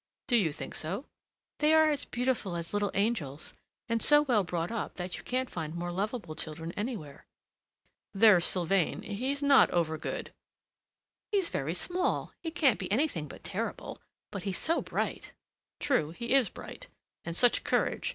"Do you think so?" "They are as beautiful as little angels, and so well brought up that you can't find more lovable children anywhere." "There's Sylvain, he's not over good." "He's very small! he can't be anything but terrible; but he's so bright!" "True, he is bright: and such courage!